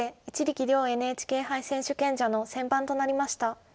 一力遼ＮＨＫ杯選手権者の先番となりました。